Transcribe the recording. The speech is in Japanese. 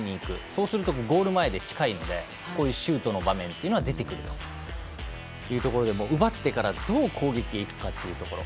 そうするとゴール前で近いのでこういうシュートの場面というのは出てくるというところで奪ってからどう攻撃に行くかというところ。